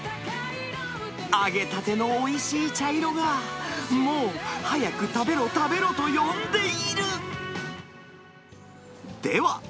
揚げたてのおいしい茶色が、もう早く食べろ食べろと呼んでいる。